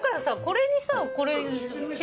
これにさこれ。